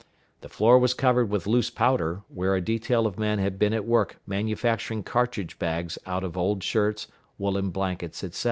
The floor was covered with loose powder, where a detail of men had been at work manufacturing cartridge bags out of old shirts, woolen blankets, etc.